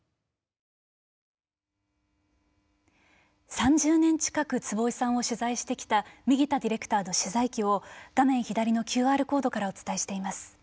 ３０年近く坪井さんを取材してきた右田ディレクターの取材記を画面左のＱＲコードからお伝えしています。